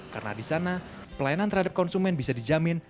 karena di sana pelayanan terhadap konsumen bisa dijamin